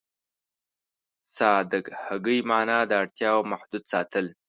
سادهګي معنا ده اړتياوې محدود ساتل.